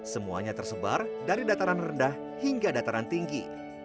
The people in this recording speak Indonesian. semuanya tersebar dari dataran rendah hingga dataran tinggi